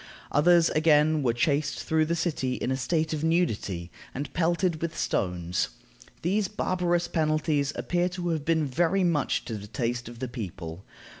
Others again were chased through the city in a state of nudity, and pelted with stones. These barbarous penalties appear to have been very much to the taste of the people.